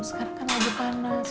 sekarangin hujan panas